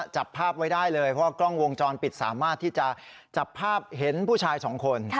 จับภาพไว้ได้เลยเพราะว่ากล้องวงจรปิดสามารถที่จะจับภาพเห็นผู้ชายสองคน